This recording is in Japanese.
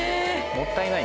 もったいない。